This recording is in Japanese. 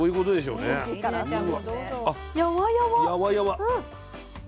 うん。